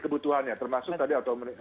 kebutuhannya termasuk tadi